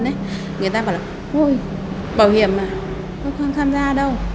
người ta bảo là vui bảo hiểm mà tôi không tham gia đâu